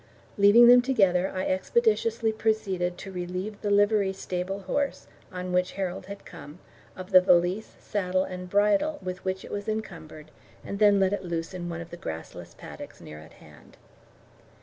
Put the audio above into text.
Leaving them together, I expeditiously proceeded to relieve the livery stable horse, on which Harold had come, of the valise, saddle, and bridle with which it was encumbered, and then let it loose in one of the grassless paddocks near at hand.